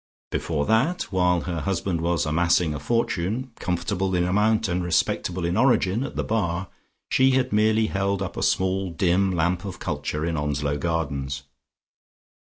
Before that, while her husband was amassing a fortune, comfortable in amount and respectable in origin, at the Bar, she had merely held up a small dim lamp of culture in Onslow Gardens.